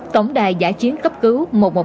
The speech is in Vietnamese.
tổng đài giải chiến cấp cứu một một năm